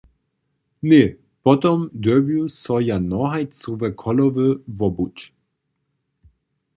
Ně, potom dyrbju so ja nohajcowe cholowy wobuć.